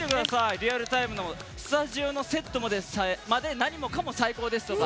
リアルタイムの「スタジオのセットまで何もかも最高です！」とか。